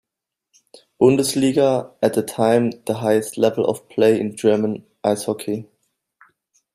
Bundesliga, at the time the highest level of play in German ice hockey.